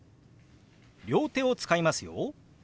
両手を使いますよ。